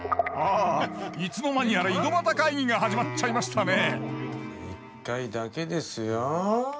あいつの間にやら井戸端会議が始まっちゃいましたね一回だけですよ。